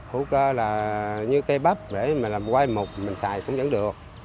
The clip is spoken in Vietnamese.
hữu cơ là như cây bắp để mà làm quay mục mình xài cũng vẫn được